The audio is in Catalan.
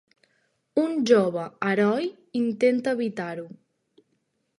Un jove heroi intenta evitar-ho.